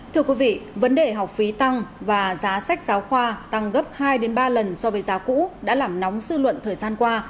thưa quý vị vấn đề học phí tăng và giá sách giáo khoa tăng gấp hai ba lần so với giá cũ đã làm nóng dư luận thời gian qua